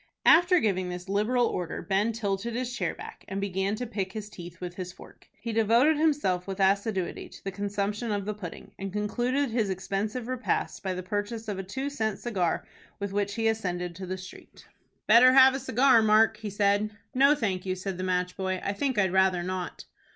After giving this liberal order Ben tilted his chair back, and began to pick his teeth with his fork. He devoted himself with assiduity to the consumption of the pudding, and concluded his expensive repast by the purchase of a two cent cigar, with which he ascended to the street. "Better have a cigar, Mark," he said. "No, thank you," said the match boy. "I think I'd rather not."